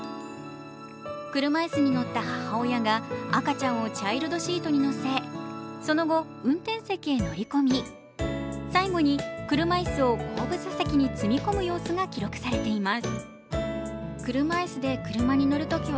車椅子に乗った母親が赤ちゃんをチャイルドシートに乗せ、その後、運転席へ乗り込み最後に車いすを後部座席に積み込む様子が記録されています。